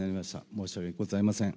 申し訳ございません。